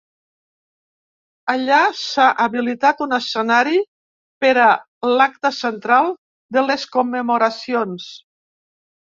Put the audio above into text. Allà s’ha habilitat un escenari per a l’acte central de les commemoracions.